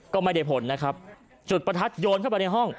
ก็ไม่ได้ผลนะครับจุดประทัดโยนเข้าไปในห้อง